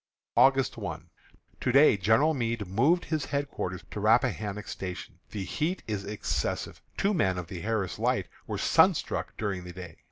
August 1. To day General Meade moved his headquarters to Rappahannock Station. The heat is excessive. Two men of the Harris Light were sunstruck during the day.